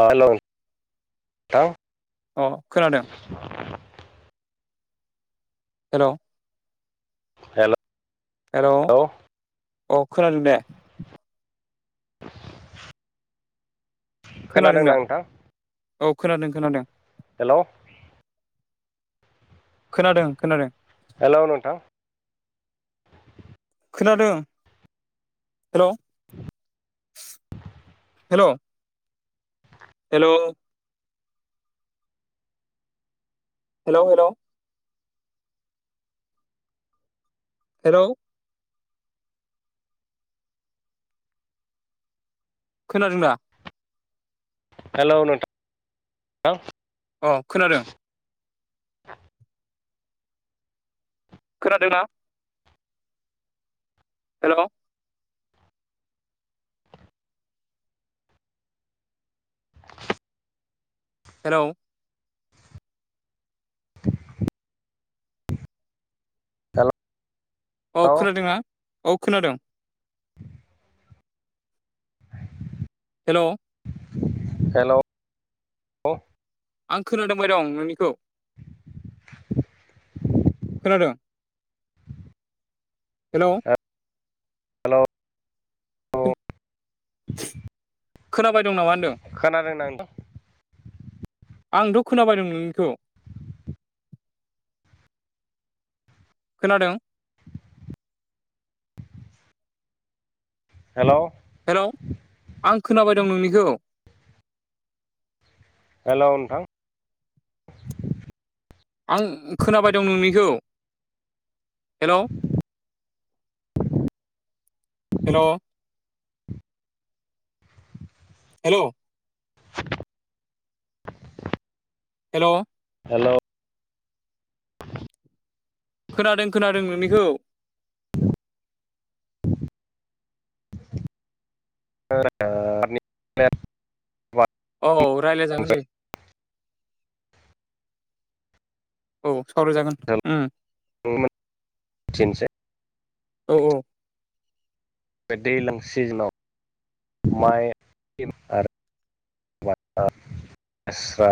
आ हेल' थां अ खोनादों हेल' हेलौ हेल' अ खोनादों दे [inaudible] खोनादों दा खोनादोंना नोंथां औ खोनादों खोनादों हेल' खोनादों खोनादों हेल' नोंथां खोनादों हेल' [inaudible] हेल' हेल' हेल' हेल' हेल' खोनादों दा हेल' नोंथा अ खोनादों [inaudible] खोनादोंना हेल' हेलौ औ हेलौ खोनादों आ औ खोनादों [inaudible] हेल' हेल' आं खोनादोंबाय दं नोंनिखौ [inaudible] खोनादों हेलौ हेलौ खोनाबाय दं नामा होनदों खोनादोंना नों आंथ' खोनाबाय दं नोंनिखौ खोनादों हेल' हेल' आं खोनाबाय दं नोंनिखौ हेल' नोंथां आं खोनाबाय दं नोंनिखौ हेल' हेल' हेल' हेल' हेल' खोनादों खोनादों नोंनिखौ [unintelligible] औ रायलायजागोन दे औ सावराय जागोन उम [unintelligible] औ -औ। बे दैज्लां सिजोनाव माइ आरो [unintelligible] लेस्रा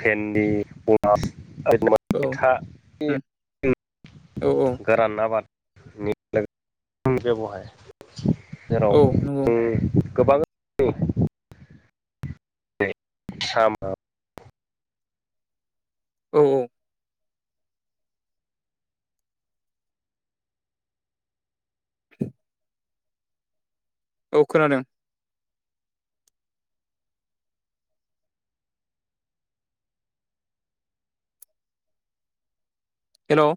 फेनदि [unintelligible] औ एथा उम औ औ [inaudible] गोरान आबादनि बेबहाय [unintelligible] औ जेराव नंगौ जों गोबां [unintelligible] दे साम [unintelligible] औ -औ। [inaudible] औ खोनादों। हेल'